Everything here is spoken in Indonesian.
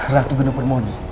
ratu genung permodi